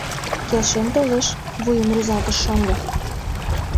— Келшен толеш, — вуйым рӱзалтыш шоҥго.